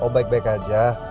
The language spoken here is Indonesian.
oh baik baik aja